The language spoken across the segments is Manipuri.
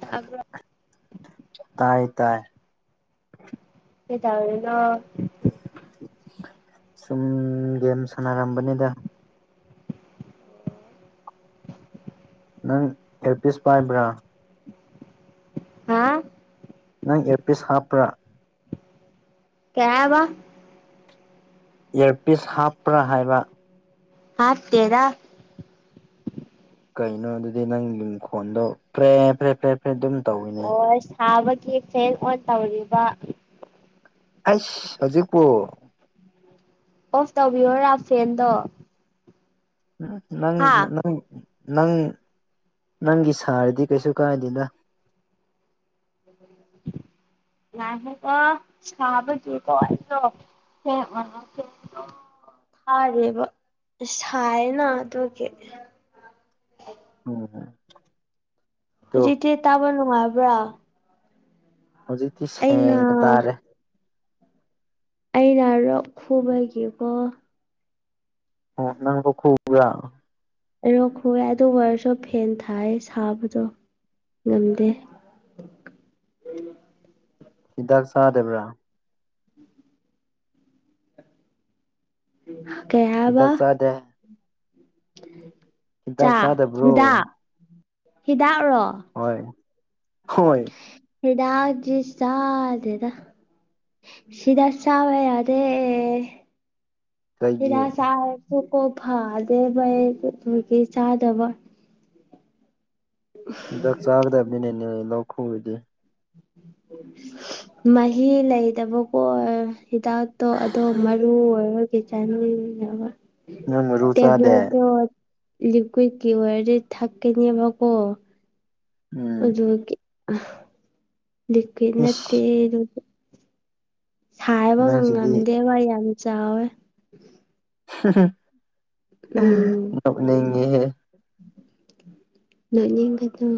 ꯇꯥꯕ꯭ꯔꯣ꯫ ꯇꯥꯏ ꯇꯥꯏ꯫ ꯀꯩꯗꯧꯔꯤꯅꯣ꯫ ꯁꯨꯝ ꯒꯦꯝ ꯁꯥꯟꯅꯔꯝꯕꯅꯤꯗ꯫ ꯅꯪ ꯑꯦꯔꯄꯤꯁ ꯄꯥꯏꯕ꯭ꯔꯥ꯫ ꯍꯥꯥ ꯅꯪ ꯑꯦꯔꯄꯤꯁ ꯍꯥꯞꯄ꯭ꯔꯥ꯫ ꯀꯩ ꯍꯥꯏꯕ꯫ ꯏꯌꯥꯔꯄꯤꯁ ꯍꯥꯞꯄ꯭ꯔꯥ ꯍꯥꯏꯕ꯫ ꯍꯥꯞꯇꯦꯗ꯫ ꯀꯩꯅꯣ ꯑꯗꯨꯗꯤ ꯅꯪꯒꯤ ꯅꯈꯣꯟꯗꯣ ꯄ꯭ꯔꯦ ꯄ꯭ꯔꯦ ꯄ꯭ꯔꯦ ꯑꯗꯨꯝ ꯇꯧꯋꯤꯅꯦ ꯑꯣ ꯁꯥꯕꯒꯤ ꯐꯦꯟ ꯑꯣꯟ ꯇꯧꯔꯤꯕ ꯑꯩꯁ ꯍꯧꯖꯤꯛ ꯄꯨ ꯑꯣꯐ ꯇꯧꯕꯤꯌꯨꯔꯥ ꯐꯦꯟꯗꯣ ꯅꯪ ꯍꯥꯥ ꯅꯪ ꯅꯪ ꯅꯪꯒꯤ ꯁꯥꯔꯗꯤ ꯀꯩꯁꯨ ꯀꯥꯏꯗꯦꯗ ꯉꯏꯈꯣ ꯀꯣ ꯁꯥꯕꯒꯤꯀꯣ ꯑꯩꯗꯣ [unintelligible] ꯊꯥꯔꯤꯕ ꯁꯥꯏꯅ ꯑꯗꯨꯒꯤ ꯎꯝ ꯑꯗꯣ ꯍꯧꯖꯤꯛꯇꯤ ꯇꯥꯕ ꯅꯨꯡꯉꯕ꯭ꯔꯥ ꯍꯧꯖꯤꯛꯇꯤ ꯁꯦꯡꯅ ꯇꯥꯔꯦ ꯑꯩꯅ ꯔꯣꯛ ꯈꯨꯕꯒꯤꯀꯣ ꯑꯣ ꯅꯪ ꯂꯣꯛ ꯈꯨꯕ꯭ꯔꯥ ꯑꯩꯩ ꯂꯣꯛ ꯈꯨꯑꯦ ꯑꯗꯨ ꯑꯣꯏꯔꯁꯨ ꯐꯦꯟ ꯊꯥꯏ ꯁꯥꯕꯗꯣ ꯉꯝꯗꯦ ꯍꯤꯗꯥꯛ ꯆꯥꯗꯕ꯭ꯔꯥ ꯀꯩ ꯍꯥꯏꯕ ꯍꯤꯗꯥꯛ ꯆꯗꯦ ꯍꯤꯗꯥꯛ ꯆꯥꯛ ꯆꯥꯗꯕ꯭ꯔꯣ ꯍꯤꯗꯥꯛ ꯍꯤꯗꯥꯛꯔꯣ ꯍꯣꯏ ꯍꯣꯏ ꯍꯤꯗꯥꯛꯇꯤ ꯆꯥꯗꯦꯗ ꯍꯤꯗꯥꯛ ꯆꯥꯕ ꯌꯥꯗꯦ ꯀꯩꯒꯤ ꯍꯤꯗꯥꯛ ꯆꯥꯔꯁꯨ ꯀꯣ ꯐꯥꯗꯦꯕ ꯑꯩ ꯑꯗꯨꯗꯨꯒꯤ ꯆꯥꯗꯕ ꯍꯤꯗꯥꯛ ꯆꯥꯒꯗꯕꯤꯅꯦꯅꯦ ꯂꯣꯛ ꯈꯨꯔꯗꯤ ꯃꯍꯤ ꯂꯩꯗꯕꯀꯣ ꯍꯤꯗꯥꯛꯇꯣ ꯑꯗꯣ ꯃꯔꯨ ꯑꯣꯏꯔ ꯀꯩ ꯆꯥꯅꯤꯡꯗꯕ ꯅꯪ ꯃꯔꯨ ꯆꯥꯗꯦ ꯇꯦꯕ꯭ꯂꯣꯗꯣ ꯂꯤꯀ꯭ꯋꯏꯠ ꯀꯤ ꯑꯣꯏꯔꯗꯤ ꯊꯥꯛꯀꯤꯅꯤꯕꯀꯣ ꯎꯝ ꯑꯗꯨꯒ ꯀꯦ ꯂꯤꯀ꯭ꯋꯤꯠ ꯅꯠꯇꯦ ꯏꯁ ꯁꯥꯏꯕ ꯅꯪꯁꯤꯗꯤ ꯉꯝꯗꯦꯕ ꯌꯥꯝ ꯆꯥꯎꯋꯦ ꯍꯝ ꯍꯝ ꯎꯝ ꯅꯣꯛꯅꯤꯡꯉꯤꯍꯦ ꯅꯣꯛꯅꯤꯡꯒꯅꯣ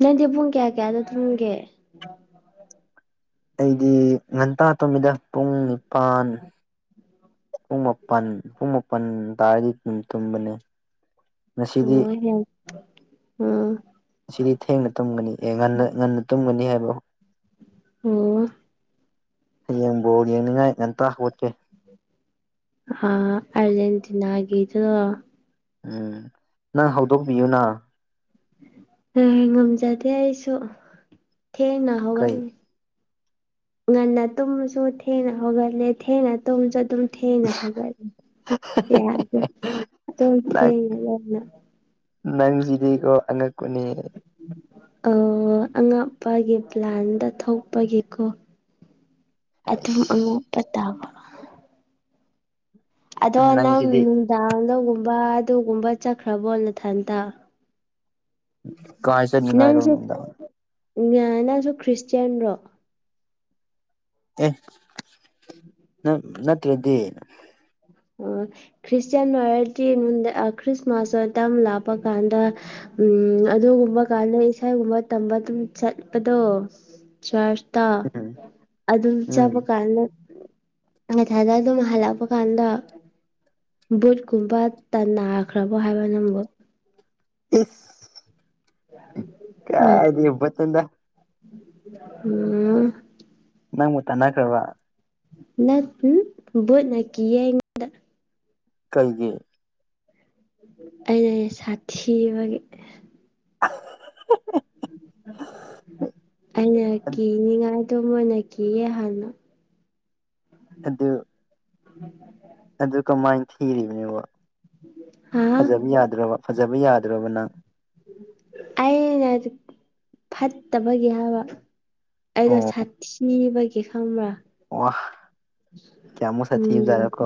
ꯅꯪꯗꯤ ꯄꯨꯡ ꯀꯌꯥ ꯀꯌꯥꯗ ꯊꯨꯝꯒꯦ [inaudible] ꯑꯩꯗꯤ ꯉꯟꯇꯥ ꯇꯨꯝꯃꯤꯗ ꯄꯨꯡ ꯅꯤꯄꯥꯟ ꯄꯨꯡ ꯃꯥꯄꯜ ꯄꯨꯡ ꯃꯥꯄꯟ ꯇꯥꯔꯗꯤ ꯑꯗꯨꯝ ꯇꯨꯝꯕꯅꯦ ꯉꯁꯤꯗꯤ ꯑꯣ ꯍꯦꯜ ꯑꯥ ꯉꯥꯁꯤꯗꯤ ꯊꯦꯡꯅ ꯇꯨꯝꯒꯅꯤ ꯑꯦ ꯉꯟꯅ ꯉꯟꯅ ꯇꯨꯝꯒꯅꯤ ꯍꯥꯏꯕ ꯑꯣ ꯍꯥꯌꯦꯡ ꯕꯣꯜ ꯌꯦꯡꯅꯤꯡꯉꯥꯏ ꯉꯟꯇ ꯍꯧꯒꯠꯀꯦ ꯑ ꯑꯔꯖꯦꯟꯇꯤꯅꯥ ꯒꯤ ꯗꯣ ꯎꯝ ꯅꯪ ꯍꯧꯗꯣꯛꯄꯤꯌꯨꯅ ꯉꯝꯖꯗꯦ ꯑꯩꯁꯨ ꯊꯦꯡꯅ ꯀꯩ ꯍꯧꯒꯠꯂꯦ ꯉꯟꯅ ꯇꯨꯝꯃꯁꯨ ꯊꯦꯡꯅ ꯍꯧꯒꯠꯂꯦ ꯊꯦꯡꯅ ꯇꯨꯝꯁꯨ ꯑꯗꯨꯝ ꯊꯦꯡꯅ ꯍꯧꯒꯠꯂꯤ ꯌꯥꯗꯦ ꯑꯗꯨꯝ ꯅꯪ ꯊꯦꯡꯅ ꯂꯧꯅ ꯅꯪꯁꯤꯗꯤꯀꯣ ꯑꯉꯛꯄꯅꯤꯍꯦ ꯑꯣ ꯑꯉꯥꯄꯒꯤ ꯄ꯭ꯂꯥꯟꯗ ꯊꯣꯛꯄꯒꯤꯀꯣ [inaudible] ꯑꯗꯨꯝ ꯑꯉꯛꯄ ꯇꯥꯕꯣ ꯑꯗꯣ ꯅꯪ ꯅꯪꯁꯤꯗꯤ ꯅꯨꯡꯗꯥꯡ ꯗ ꯒꯨꯝꯕ ꯑꯗꯨꯒꯨꯝꯕꯥ ꯆꯠꯈ꯭ꯔꯕꯣ ꯅꯊꯟꯇ ꯀꯥꯏꯁ ꯅꯤꯉꯥꯏꯔꯣ ꯅꯅꯨꯡꯝꯗ ꯉꯌꯥ ꯅꯁꯨ ꯈ꯭ꯔꯤꯁꯇꯌꯥꯟ ꯔꯣ ꯑꯦ ꯅꯪ ꯅꯠꯇ꯭ꯥꯔꯗꯤ [unintelligible] ꯈ꯭ꯔꯤꯁꯇꯌꯥꯟ ꯑꯪꯏꯔꯗꯤ ꯃꯨꯟꯗꯥ ꯑꯥ ꯈ꯭ꯔꯤꯁꯃꯥꯁ ꯃꯇꯝ ꯂꯥꯛꯄ ꯀꯥꯟꯗ ꯎꯝ ꯑꯗꯨꯒꯨꯝꯕ ꯀꯥꯟꯗ ꯏꯁꯩꯒꯨꯝꯕ ꯇꯝꯕ ꯑꯗꯨꯝ ꯆꯠꯄꯗꯣ ꯆꯔ ꯑꯗꯨꯝ ꯆꯠꯄ ꯎꯝ ꯀꯥꯟꯗ ꯃꯊꯗ ꯑꯗꯨꯝ ꯍꯜꯂꯛꯄ ꯀꯥꯟꯗ ꯕꯨꯠ ꯀꯨꯝꯕ ꯇꯥꯟꯟꯅꯈ꯭ꯔꯕꯥ ꯍꯥꯏꯕ ꯅꯪꯕꯨ ꯏꯁꯁ ꯌꯥ ꯀꯕ ꯆꯗ ꯎꯝ ꯅꯪꯕꯨ ꯇꯅꯥ ꯈ꯭ꯔꯥ ꯕ ꯅꯕꯨꯣꯠꯅꯀꯤ ꯀꯩꯒꯤ ꯑꯩꯅ ꯁꯥꯊꯤꯕꯒꯤ [unintelligible] ꯑꯩꯅ ꯀꯤꯅꯤꯡꯉꯥꯏꯗꯣ ꯃꯣꯏꯅ ꯀꯤꯌꯦ ꯍꯥꯟꯅ ꯑꯗꯨ ꯎꯝ ꯑꯗꯨ ꯀꯃꯥꯏꯟ ꯊꯤꯔꯤꯕꯥꯅꯣꯕꯥ ꯍꯥ ꯐꯖꯕ ꯌꯥꯗ꯭ꯔꯕ ꯐꯖꯕ ꯌꯥꯗ꯭ꯔꯕ ꯅꯪ ꯑꯩꯅ ꯐꯠꯇꯕꯒꯤ ꯍꯥꯏꯕ ꯑꯩꯗꯣ ꯑꯣ ꯁꯥꯊꯤꯕꯥꯒꯤ ꯈꯪꯕ꯭ꯔꯥ ꯋꯥꯍ ꯀꯌꯥꯃꯨꯛ ꯁꯥꯊꯤꯕꯖꯥꯔꯥ ꯀꯣ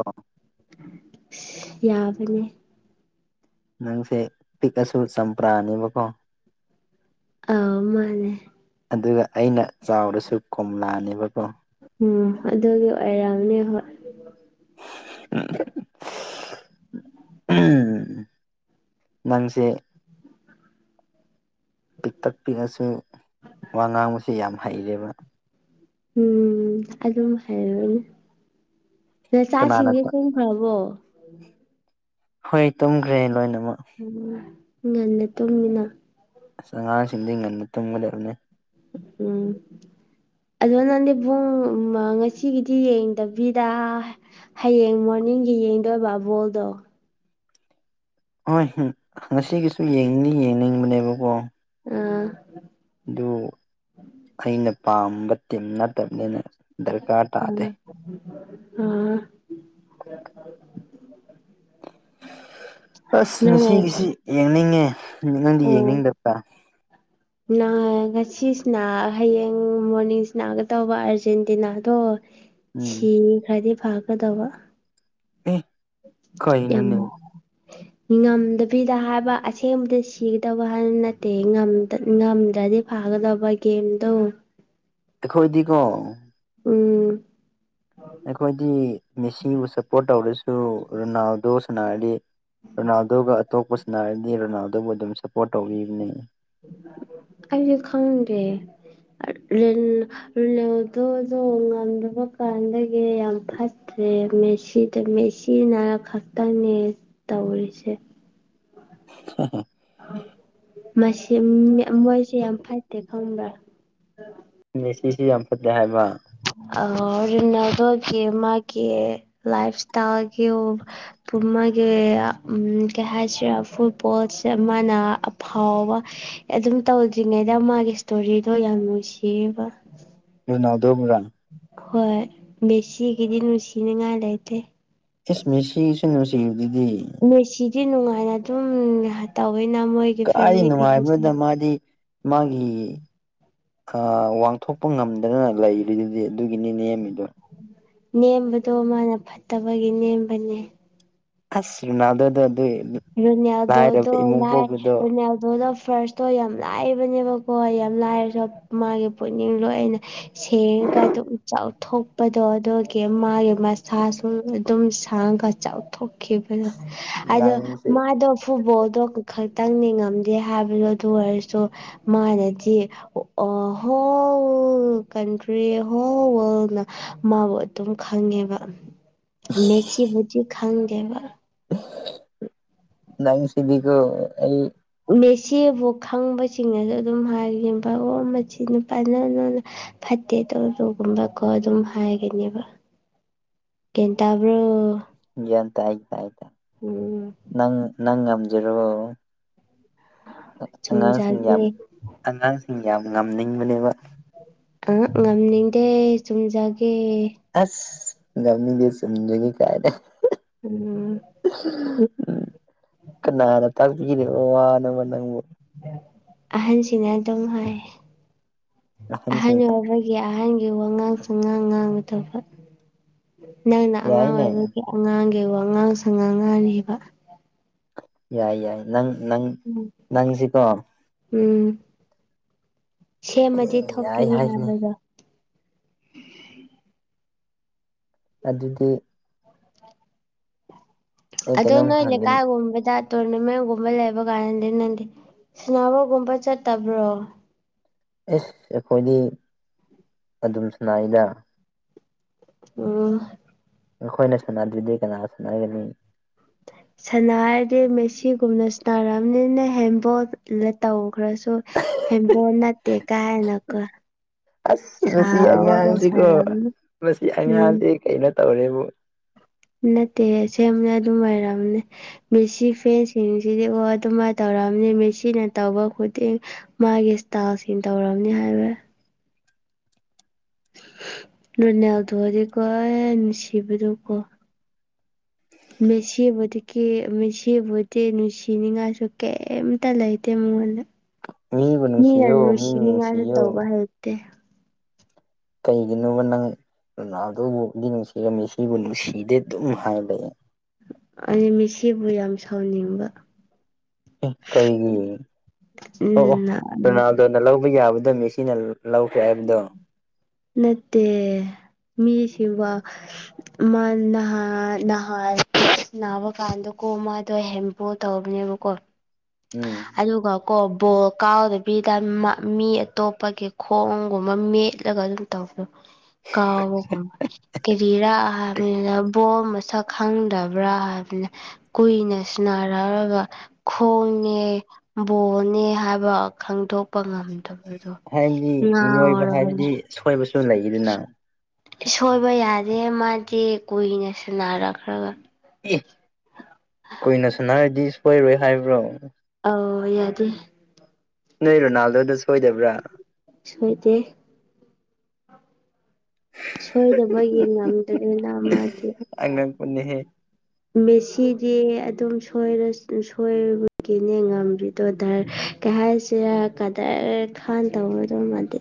[inaudible] ꯌꯥꯗꯅꯦ ꯅꯪꯁꯦ ꯄꯤꯛꯑꯁꯨ ꯆꯝꯄ꯭ꯔꯥꯅꯦꯕꯀꯣ ꯑꯧ ꯃꯥꯅꯦ ꯑꯗꯨꯒ ꯑꯩꯅ ꯆꯥꯎꯔꯁꯨ ꯀꯣꯝꯂꯥꯅꯦꯕꯀꯣ ꯎꯝ ꯑꯗꯨꯒꯤ ꯑꯣꯏꯔꯝꯅꯦ ꯍꯣꯏ ꯎ ꯉꯥꯡꯁꯦ ꯄꯤꯛꯇꯛ ꯄꯤꯛꯂꯁꯨ ꯋꯥ ꯉꯥꯡꯕꯕꯁꯤ ꯌꯥꯝ ꯍꯩꯔꯦꯕ ꯎꯝ ꯑꯗꯨꯝ ꯍꯥꯏꯔꯅꯦ ꯅ ꯀꯅꯥꯅ ꯆꯥꯁꯤꯡꯁꯦ ꯀꯨꯝꯈ꯭ꯔꯕꯣ ꯍꯣꯏ ꯇꯨꯝꯒ꯭ꯔꯦ ꯂꯣꯏꯅꯃꯛ ꯎ ꯉꯟꯅ ꯇꯨꯝꯃꯤꯅ ꯑꯁ ꯑꯉꯥꯡꯁꯤꯡꯗꯤ ꯉꯟꯅ ꯇꯨꯝꯕ ꯂꯩꯔꯅꯦ ꯎꯝ ꯑꯗꯨꯗꯣ ꯅꯪꯅꯦꯕꯨꯡ ꯉꯁꯤꯒꯤꯗꯤ ꯌꯦꯡꯗꯕꯤꯗ ꯍꯥꯌꯦꯡ ꯃꯣꯔꯅꯤꯡꯒꯤ ꯌꯦꯡꯗꯣꯏꯕ ꯕꯣꯜꯗꯣ ꯍꯣꯏ ꯉꯁꯤꯒꯤꯁꯨ ꯌꯦꯡꯅꯤꯡ ꯌꯦꯡꯅꯤꯡꯕꯅꯦꯕꯀꯣ ꯎꯝ ꯑꯗꯨ ꯑꯩꯅ ꯄꯥꯝꯕ ꯇꯤꯝ ꯅꯠꯇꯕꯅꯤꯅ ꯗꯔꯀꯥꯔ ꯇꯥꯗꯦ ꯎꯝ ꯑꯁ ꯉꯅꯨꯡꯁꯤꯒꯤꯁꯤ ꯌꯦꯡꯅꯤꯡꯉꯦ ꯅꯪꯗꯤ ꯌꯦꯡꯅꯤꯡꯗꯕꯥ [inaudible] [unintelligible] ꯉꯁꯤ ꯁꯥꯟꯅ ꯍꯌꯦꯡ ꯃꯣꯔꯅꯤꯡꯁꯤꯅꯒ ꯇꯧꯕ ꯑꯥꯔꯖꯦꯟꯇꯤꯅꯥꯗꯣ ꯎꯝ ꯁꯤ ꯈꯥꯔꯗꯤ ꯐꯒꯗꯧꯕ ꯎꯝ ꯌꯥꯝꯃ [inaudible] ꯉꯝꯗꯕꯤꯗ ꯍꯥꯏꯕ ꯑꯁꯦꯡꯕꯗ ꯁꯤꯒꯗꯕ ꯍꯥꯏꯕ ꯅꯠꯇꯦ ꯉꯝꯗ꯭ꯔꯗꯤ ꯐꯥꯒꯗꯕ ꯒꯦꯝꯗꯣ ꯑꯩꯈꯣꯏꯗꯤꯀꯣ ꯎꯝ ꯑꯩꯈꯣꯏꯗꯤ ꯃꯦꯁꯤꯕꯨ ꯁꯞꯄꯣꯔꯠ ꯇꯧꯔꯁꯨ ꯔꯣꯅꯥꯜꯗꯣ ꯁꯥꯟꯅꯔꯗꯤ ꯔꯣꯅꯥꯜꯗꯣꯒ ꯑꯇꯣꯞꯄꯁꯤꯅ ꯍꯥꯏꯔꯗꯤ ꯔꯣꯅꯥꯜꯗꯣꯕꯨ ꯑꯗꯨꯝ ꯁꯞꯄꯣꯔꯠ ꯇꯧꯕꯤꯕꯅꯦ ꯑꯩꯁꯨ ꯈꯪꯗꯦ [unintelligible] ꯔꯤꯟ ꯂꯣꯗꯣꯗꯣ ꯉꯝꯗꯕ ꯀꯥꯟꯗꯒꯤ ꯌꯥꯝ ꯐ ꯑ ꯃꯦꯁꯤꯗ ꯃꯦꯁꯤꯤꯅ ꯈꯛꯇꯪꯅꯦ ꯇꯧꯔꯤꯁꯦ [inaudible] ꯃꯁꯤꯝꯃꯤ ꯃꯣꯏꯁꯦ ꯌꯥꯝ ꯐꯠꯇꯦ ꯈꯪꯕ꯭ꯔꯥ ꯁꯤꯁꯤ ꯌꯥꯝ ꯐꯠꯇꯦ ꯍꯥꯏꯕ ꯑ ꯔꯣꯅꯜꯗꯣꯒꯤ ꯃꯒꯤ ꯂꯥꯐꯁꯇꯥꯏꯜ ꯒꯤ ꯨꯊꯨꯝ ꯃꯥꯒꯤ ꯎꯨꯝ ꯀꯩ ꯍꯥꯏꯁꯤꯔꯦ ꯐꯨꯠꯕꯣꯜꯁꯦ ꯃꯥꯅ ꯑꯐꯥꯎꯕ ꯑꯗꯨꯝ ꯇꯧꯗ꯭ꯔꯤꯉꯩꯗ ꯃꯥꯒꯤ ꯁꯇꯣꯔꯤꯗꯣ ꯌꯥꯝ ꯅꯨꯡꯁꯤꯑꯦꯕ ꯑꯗꯨ ꯅ ꯗꯣ ꯃꯔꯅ ꯍꯣꯏ ꯃꯦꯁꯤꯒꯤꯗꯤ ꯅꯨꯡꯁꯤꯅꯉꯥꯏ ꯂꯩꯇꯦ꯫ ꯏꯁ ꯃꯦꯁꯤ ꯁꯨ ꯅꯨꯡꯁꯤꯔꯤꯗꯨꯗꯤ ꯃꯦꯁꯤꯗꯤ ꯅꯨꯡꯉꯥꯏꯅ ꯑꯗꯨꯝ ꯇꯧꯋꯦꯅ ꯃꯣꯏ ꯀꯗꯥꯏꯗ ꯅꯨꯡꯉꯥꯏꯕꯅꯣꯗ ꯃꯥꯗꯤ ꯃꯥꯒꯤ ꯋꯥꯡꯊꯣꯛꯄ ꯉꯝꯗꯅ ꯂꯩꯔꯤꯗꯨꯗꯤ ꯑꯗꯨꯒꯤꯅꯤ ꯅꯦꯝꯃꯤꯗꯣ ꯅꯦꯝꯕꯗꯣ ꯃꯥꯅ ꯐꯠꯇꯕꯒꯤ ꯅꯦꯝꯕꯅꯦ ꯑꯁ ꯔꯅꯗ ꯑꯗꯨ ꯔꯨꯅꯌꯥꯗꯣꯗꯣ ꯂꯥꯏꯔꯕ ꯏꯃꯨꯡ ꯂ ꯄꯣꯛꯄꯗꯣ ꯔꯨꯅꯌꯥꯜꯗꯣꯗꯣ ꯐꯔꯁ ꯇꯣ ꯌꯥꯝ ꯂꯥꯏꯕꯅꯦꯕꯀꯣ ꯌꯥꯝ ꯂꯥꯏꯔꯁꯨ ꯃꯥꯒꯤ ꯄꯨꯛꯅꯤꯡ ꯂꯣꯏꯅ ꯁꯦꯡ ꯀꯥꯏꯗꯣꯊꯣꯛ ꯀꯄꯗꯣ ꯑꯗꯨꯒꯤ ꯃꯥꯒꯤ ꯃꯁꯥꯁꯨ ꯑꯗꯨꯝ ꯁꯥꯡꯒ ꯆꯥꯎꯊꯣꯛꯈꯤꯕꯗꯣ ꯑꯗꯣ ꯅꯪꯁꯦ ꯃꯥꯗꯣ ꯐꯨꯠꯕꯣꯜꯗꯣ ꯈꯛꯇꯪ ꯅꯤꯡꯉꯝꯗꯦ ꯍꯥꯏꯕꯗꯣ ꯑꯗꯨ ꯑꯣꯏꯔꯁꯨ ꯃꯥꯅꯖꯤ ꯑꯍꯣ ꯀꯟꯇꯔꯤ ꯍꯣ ꯃꯥ ꯑꯗꯨꯝ ꯈꯪꯉꯦꯕ ꯃꯦꯁꯤꯤꯕꯨꯗꯤ ꯈꯪꯗꯦꯕ ꯅꯪꯁꯤꯗꯤꯀ‌ꯣ ꯑꯩ ꯃꯦꯆꯦꯕꯨ ꯈꯪꯕꯁꯤꯡꯅꯁꯨ ꯑꯗꯨꯝ ꯍꯥꯏꯒ ꯚꯥꯣ ꯃꯆ ꯅꯨꯄꯥꯅꯅ ꯐꯠꯇꯦ ꯇꯧ ꯇꯒꯨꯝꯕ ꯀꯣ ꯑꯗꯨꯝ ꯍꯥꯏꯒꯅꯦꯕ ꯀꯦꯟꯇꯕ꯭ꯔꯣ ꯦ ꯍꯥꯏꯥꯏꯥꯏ ꯅꯪ ꯅꯪ ꯉꯝꯖꯔꯣ ꯑꯉꯥꯡꯁꯤꯡ ꯌꯥꯝ ꯆꯨꯝꯖꯒꯦ ꯑꯉꯥꯡꯁꯤꯡ ꯌꯥꯝ ꯉꯝꯅꯤꯡꯕꯅꯦꯕ ꯑ ꯉꯝꯅꯤꯡꯗꯦ ꯆꯨꯝꯖꯒꯦ ꯑꯁ ꯉꯝꯃꯤꯗꯁꯖꯉ ꯀꯥꯏꯅ ꯎꯝ꯫ ꯎꯝ ꯀꯅꯥꯅ ꯇꯥꯛꯄꯤꯕꯣ ꯋꯥꯅꯕ ꯅꯪꯕꯨ ꯑꯍꯟꯁꯤꯅ ꯑꯗꯨꯝ ꯍꯥꯏ ꯑꯍꯟ ꯑꯍꯟꯁꯤꯡꯅ ꯑꯣꯏꯕꯒꯤ ꯑꯩꯒꯤ ꯑꯍꯥꯟꯕꯒꯤ ꯋꯥꯉꯥꯡꯁꯨ ꯉꯥꯡ ꯉꯥꯡꯕ ꯊ ꯅꯪꯅ ꯑꯉꯥꯡ ꯌꯥꯏꯅꯦ ꯑꯣꯏꯕꯒꯤ ꯑꯉꯥꯡꯒꯤ ꯋꯥꯉꯥꯡ ꯁ ꯉꯥꯡ ꯉꯥꯔꯤꯕ ꯌꯥꯏ ꯌꯥꯏ ꯅꯪ ꯅꯪ ꯅꯪꯁꯤꯀꯣ ꯎꯝ ꯁꯦꯝꯃꯗꯤ ꯌꯥꯏ ꯊꯣꯛꯀꯅꯤ ꯍꯥꯏꯁꯤꯅꯦ ꯍꯥꯏꯕꯗꯣ ꯑꯗꯨꯗꯤ ꯑꯩ ꯑꯗ ꯀꯩꯅꯣꯝ ꯅ ꯏꯂꯦ ꯍꯪꯒꯦ ꯀꯥꯏꯒꯨꯝꯕꯗ ꯇꯣꯔꯅꯥꯃꯦꯟꯒꯨꯝꯕ ꯂꯩꯕ ꯀꯥꯟꯗꯗꯤ ꯅꯪꯗꯤ ꯁꯅꯥꯕꯒꯨꯝꯕ ꯆꯠꯇꯕ꯭ꯔꯣ ꯑꯦꯁ ꯑꯩꯈꯣꯏꯗꯤ ꯑꯗꯨꯝ ꯁꯅꯏꯗ ꯎꯝ꯫ ꯑꯩꯈꯣꯏꯅ ꯁꯥꯟꯅꯗ꯭ꯔꯗꯤ ꯀꯅꯥ ꯁꯥꯟꯅꯒꯅꯤ [inaudible] ꯁꯥꯟꯅꯔꯗꯤ ꯃ‌ꯦꯁꯤꯒꯨꯝꯅ ꯁꯥꯟꯅꯔꯕꯅꯤꯅ‌ꯦ ꯍꯦꯟꯕꯣꯜ ꯇꯧꯈ꯭ꯔꯁꯨ ꯍ‌ꯦꯟ ꯕ‌ꯣꯜ ꯅꯠꯇ‌ꯦ ꯀꯥꯏꯅꯀ‌ꯣ ꯑꯁ ꯃꯁꯤ ꯑꯉꯥꯡꯁꯤꯀꯣ ꯁꯥꯔꯝꯅꯤ ꯃꯁꯤ ꯎꯝ ꯑꯉꯥꯡꯁꯤ ꯀꯩꯅꯣ ꯇꯧꯔꯦꯕꯨ꯫ ꯅꯠꯇꯦ ꯑꯁꯦꯝꯕꯅ‌ꯦ ꯑꯗꯨꯝ ꯑꯣꯏꯔꯝꯅꯤ ꯃꯦꯁꯤ ꯐꯦꯟꯁꯤꯡꯁꯤꯗꯤ ꯑꯣ ꯑꯗꯨꯃꯥꯏꯅ ꯇꯧꯔꯝꯅꯤ ꯃꯦꯁꯤꯅ ꯇꯧꯕ ꯈꯨꯗꯤꯡ ꯃꯥꯒꯤ ꯏꯁꯇꯥꯜꯁꯤꯡ ꯇꯧꯔꯝꯅꯤ ꯍꯥꯏꯕ ꯔ‌ꯣꯅ‌ꯦꯜꯗ‌ꯣ ꯗꯤꯀꯣ ꯑꯦ ꯅꯨꯡꯁꯤꯕꯗꯨꯀꯣ ꯃꯦꯁꯤꯕꯨꯗꯤ ꯀ ꯃꯦꯁꯤꯕꯨꯗꯤ ꯅꯨꯡꯁꯤꯅꯤꯡꯉꯥꯏꯁꯨ ꯀꯩꯝꯇ ꯂꯩꯇꯦ ꯃꯉꯣꯟꯗ ꯃꯤꯕꯨ ꯃꯤꯅ ꯅꯨꯡꯁꯤꯌꯣ ꯃꯤꯕꯨ ꯅꯨꯡꯁꯤꯅꯤꯡꯉꯥꯏ ꯅꯨꯡꯁꯤꯌꯣ ꯇꯧꯕ ꯍꯩꯇꯦ꯫ ꯀꯩꯒꯤꯅꯣꯕ ꯅꯪ ꯔ‌ꯣꯅꯥꯜꯗ‌ꯣꯕꯨꯗꯤ ꯅꯨꯡꯁꯤꯔ ꯃ‌ꯦꯁꯤꯕꯨ ꯅꯨꯡꯁꯤꯗꯦ ꯑꯗꯨꯝ ꯍꯥꯏꯕ ꯑꯩ ꯃ‌ꯦꯁꯤꯕꯨ ꯌꯥꯝ ꯁꯥꯎꯅꯤꯡꯕ ꯑꯦ ꯀꯩꯒꯤ ꯑꯣ ꯑꯣ ꯎꯝ ꯔ‌ꯣꯅꯥꯜꯗ‌ꯣ [unintelligible] ꯂꯧꯕ ꯌꯥꯕꯗꯣ ꯃ‌ꯦꯁꯤꯅ ꯂꯧꯈꯔ‌ꯦ ꯍꯥꯏꯕꯗꯣ ꯅꯠꯇꯦ ꯃꯤ ꯁꯤꯕꯥ ꯃ ꯅꯍꯥ ꯅꯍꯟ ꯅꯥꯕ ꯀꯥꯟꯗꯀꯣ ꯃꯥꯗꯣ ꯍꯦꯟ ꯕꯣꯜ ꯇꯧꯕꯅꯦꯕꯀꯣ ꯎꯝ ꯑꯗꯨꯒꯀ‌ꯣ ꯕꯣꯜ ꯀꯥꯎꯗ ꯕꯤꯗ ꯃꯤ ꯑꯇꯣꯞꯄꯒꯤ ꯈꯣꯡꯒꯨꯝꯕ ꯃꯦꯠꯂꯒ ꯑꯗꯨꯝ [unintelligible] ꯇꯧꯕꯗ‌ꯣ ꯀꯥꯎꯕꯒꯨꯝꯕ ꯀ‌ꯦꯔꯤꯔꯥ ꯍꯥꯏꯕꯅꯤꯗ ꯕꯣꯜ ꯃꯁꯛ- ꯈꯪꯗꯕ꯭ꯔꯥ ꯍꯥꯏꯕꯅꯦ ꯀꯨꯏꯅ ꯁꯟꯅꯔꯑꯒ ꯈꯣꯡꯅꯦ ꯕꯣꯜꯅꯦ ꯍꯥꯏꯕ ꯈꯪꯗꯣꯛꯄ ꯉꯝꯗꯕ ꯍꯥꯏꯕꯗꯤ ꯃꯤꯑꯣꯏꯕ ꯉꯥꯎꯔꯕꯅ‌ꯦ ꯍꯥꯏꯕꯗꯤ ꯁꯣꯏꯕꯁꯨ ꯂꯩꯗꯅ ꯁꯣꯏꯕ ꯌꯥꯗꯦ ꯃꯥꯗꯤ ꯀꯨꯏꯅ ꯁꯅꯔꯛꯈ꯭ꯔꯒ ꯑꯦ ꯀꯨꯏꯅ ꯁꯥꯟꯅꯔꯗꯤ ꯁꯣꯏꯔꯣꯏ ꯍꯥꯏꯕ꯭ꯔꯣ ꯑꯥꯎ ꯌꯥꯗꯦ꯫ ꯅꯣꯏ ꯔꯣꯅꯥꯜꯗꯣꯗ ꯁꯣꯏꯗꯕ꯭ꯔꯥ ꯁꯣꯏꯗꯦ ꯁꯣꯏꯗꯕꯒꯤ ꯉꯝꯗ꯭ꯔꯦꯅ ꯃꯥꯗꯤ ꯑꯉꯛꯄꯅꯦꯍꯦ ꯃꯦꯁꯤꯗꯤ ꯑꯗꯨꯝ ꯁ‌ꯣꯏꯔ ꯁꯣꯏꯕꯒꯤꯅꯦ [unintelligible] ꯉꯝꯗ꯭ꯔꯤ ꯗꯨꯗꯔ ꯀꯩ ꯍꯥꯏꯁꯤꯔꯥ ꯀꯗꯔ ꯈꯥꯟ ꯇꯧꯕꯗ‌ꯣ ꯃꯥꯗꯤ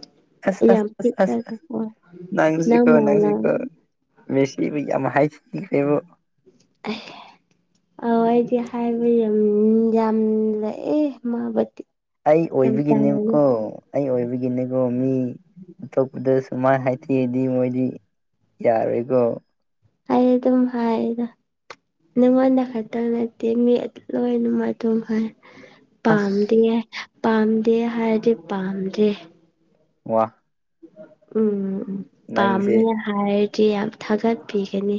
ꯌꯥꯝ ꯄꯤꯛꯑꯒꯀ‌ꯣ ꯅꯪꯖꯤꯀꯣ ꯅꯪꯖꯤꯀꯣ ꯃꯦꯁꯤꯕꯨ ꯌꯥꯝ ꯍꯥꯏ꯫ [unintelligible] ꯑꯥꯎ ꯑꯩꯗꯤ ꯍꯥꯏꯕ ꯌꯥꯝ ꯌꯥꯝ ꯂꯩꯑ‌ꯦ ꯃꯥꯕꯨꯗꯤ ꯑꯩ ꯌꯥꯝ ꯇꯜꯂꯦ ꯑꯣꯏꯕꯒꯤꯅꯦꯕꯀꯣ ꯑꯩ ꯑꯣꯏꯕꯒꯤꯅꯦꯀꯣ ꯃꯤ ꯑꯇꯣꯞꯄꯗ ꯁꯨꯃꯥꯏꯅ ꯍꯥꯏꯊꯤꯔꯗꯤ ꯃꯣꯏꯗꯤ ꯌꯥꯔꯣꯏꯀꯣ ꯑꯩ ꯑꯗꯨꯝ ꯍꯥꯏꯗ ꯅꯪꯉꯣꯟꯗ ꯈꯛꯇꯪ ꯅꯠꯇꯦ ꯃꯤ ꯂꯣꯏꯅꯛ ꯑꯗꯨꯝ ꯍꯥꯏ ꯑꯁ ꯄꯥꯝꯗꯦ ꯄꯥꯝꯗꯦ ꯍꯥꯏꯔꯗꯤ ꯄꯥꯝꯗꯦ ꯋꯥ ꯎꯝ ꯅꯪꯁꯦ ꯄꯥꯝꯃꯦ ꯍꯥꯏꯔꯗꯤ ꯌꯥꯝ ꯊꯥꯒꯠꯄꯤꯒꯅꯤ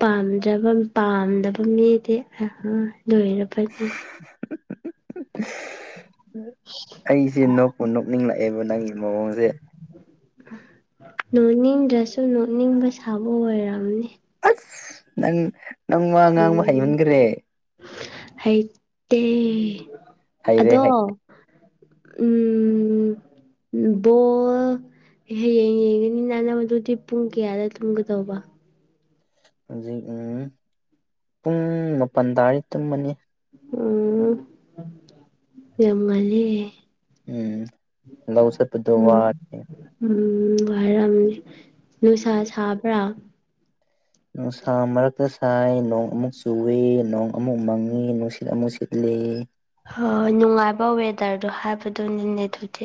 ꯄꯥꯝꯖꯕ ꯄꯥꯝꯗꯕ ꯃꯤꯗꯤ ꯑ ꯂꯣꯏꯔꯕꯅ‌ꯦ ꯑꯩꯖ‌ꯦ ꯅꯣꯛꯄꯨ ꯅꯣꯛꯅꯤꯡꯂꯛꯑꯦꯕ ꯅꯪ ꯃꯑꯣꯡꯁꯦ ꯅꯣꯛꯅꯤꯡꯗ꯭ꯔꯁꯨ ꯅꯣꯛꯅꯤꯡꯕ ꯁꯥꯕ ꯑꯣꯏꯔꯝꯅꯤ ꯑꯁ ꯅꯪ ꯅꯪ ꯋꯥ ꯉꯥꯡꯕ ꯍꯩꯃꯟꯈ꯭ꯔꯦ ꯍꯩꯇ‌ꯦ ꯍꯩꯔꯦ ꯑꯗꯣ ꯎꯝ ꯕꫭꯜ ꯑꯦ ꯍꯌꯦꯡ ꯌꯦꯡꯒꯅꯤ ꯅꯪꯅ ꯃꯗꯨꯗꯤ ꯄꯨꯡ ꯀꯌꯥꯗ ꯇꯨꯝꯒꯗꯧꯕ ꯍꯧꯖꯤꯛ ꯎ ꯄꯨꯡ ꯃꯥꯄꯜ ꯇꯥꯔꯗꯤ ꯇꯨꯝꯃꯅꯤ ꯎꯝ ꯌꯥꯝ ꯉꯥꯜꯂꯦ ꯎꯝ ꯂꯧ ꯆꯠꯄꯗꫭ ꯎꯝ ꯋꯥꯅꯤ ꯎꯝ ꯋꯥꯔꯝꯅꯤ ꯅꯨꯡꯁꯥ ꯁꯥꯕ꯭ꯔꯥ ꯅꯨꯡꯁꯥ ꯃꯔꯛꯇ ꯁꯥꯏ ꯅꯣꯡ ꯑꯃꯨꯛ ꯆꯨꯏ ꯅꯣꯡ ꯑꯃꯨꯛ ꯃꯪꯉꯤ ꯅꯨꯡꯁꯤꯠ ꯑꯃꯨꯛ ꯁꯤꯠꯂꯤ ꯍꯥ ꯅꯨꯡꯉꯥꯏꯕ ꯋꯦꯗꯔꯗꯣ ꯍꯥꯏꯕꯗꯨꯅꯤꯅꯦ ꯑꯗꯨꯗꯤ꯫